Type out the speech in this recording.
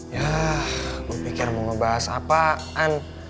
yah gue pikir mau ngebahas apaan